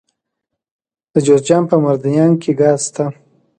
د جوزجان په مردیان کې ګاز شته.